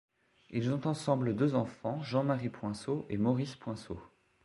Ils ont ensemble deux enfants Jean-Marie Poinso et Maurice Poinso.